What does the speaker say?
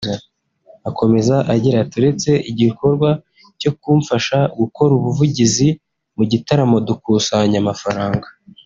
Akomeza agira ati “ Uretse igikorwa cyo kumfasha gukora ubuvugizi mu gitaramo dukusanya amafaranga